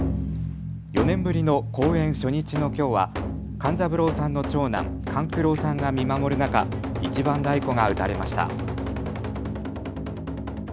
４年ぶりの公演初日のきょうは勘三郎さんの長男、勘九郎さんが見守る中、一番太鼓が打たれました。